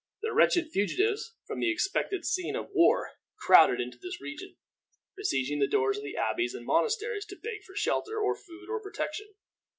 The wretched fugitives from the expected scene of war crowded into this region, besieging the doors of the abbeys and monasteries to beg for shelter, or food, or protection.